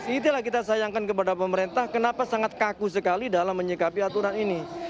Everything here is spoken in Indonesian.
itulah kita sayangkan kepada pemerintah kenapa sangat kaku sekali dalam menyikapi aturan ini